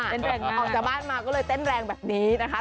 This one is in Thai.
เป็นแรงออกจากบ้านมาก็เลยเต้นแรงแบบนี้นะคะ